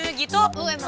oh emang gitu